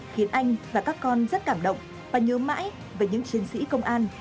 khiến anh và các con rất cảm động và nhớ mãi về những chiến sĩ công an